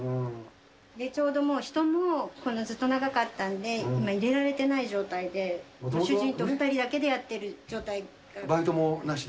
ちょうどもう、人もずっと長かったんで、今入れられてない状態で、主人と２人だバイトもなしで？